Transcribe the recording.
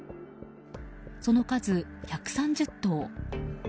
その数１３０頭。